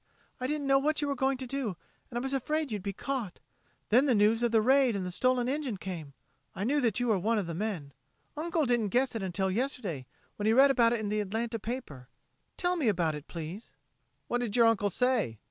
I didn't know what you were going to do, and I was afraid you'd be caught. Then the news of the raid and the stolen engine came. I knew that you were one of the men. Uncle didn't guess it until yesterday when he read about it in the Atlanta paper. Tell me about it please!" "What did your uncle say?